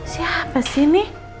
siapa sih ini